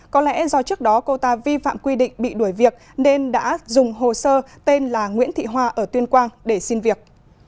có lẽ do trước đó cô ta vi phạm quy định bị đuổi việc nên đã dùng hồ sơ tên là nguyễn thị hoa ở tuyên quang để xin việc